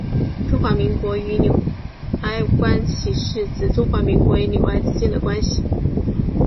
中华民国与纽埃关系是指中华民国与纽埃之间的关系。